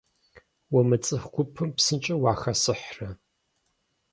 Умыцӏыху гупым псынщӏэу уахэсыхьрэ?